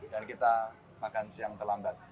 dan kita makan siang terlambat